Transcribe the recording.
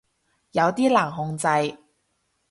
有啲難控制